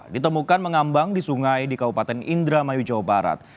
ditemukan mengambang di sungai di kabupaten indramayu jawa barat